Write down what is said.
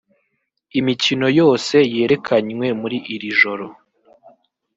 Imikino yose yerekanywe muri iri joro